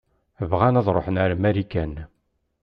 Bɣan ad ṛuḥen ar Marikan.